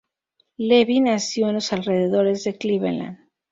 Levy nació en los alrededores de Cleveland.